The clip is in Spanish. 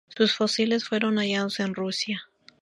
Sus fósiles fueron hallados en Rusia.